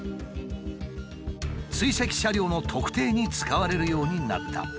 追跡車両の特定に使われるようになった。